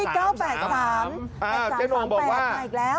๙๓๓๘อีกแล้วเจ้าน้องบอกว่า